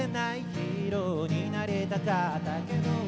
「ヒーローになりたかったけど」